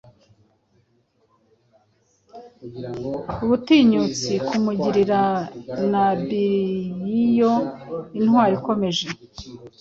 Ubutinyutsi kumugirira nabiiyo intwari ikomeje